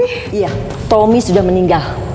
iya tommy sudah meninggal